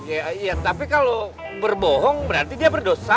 iya tapi kalo berbohong berarti dia berdosa